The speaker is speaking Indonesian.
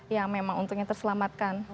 yang memang untungnya terselamatkan